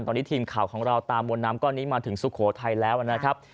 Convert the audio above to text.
ตอนนี้ทีมข่าวของเราตามมวลน้ำก้อนนี้มาถึงสุโขทัยแล้วนะครับ